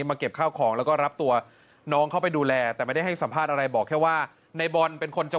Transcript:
ไม่มีครับไม่มีกลิ่นเลย